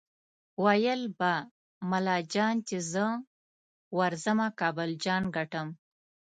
ویل به ملا جان چې زه ورځمه کابل جان ګټم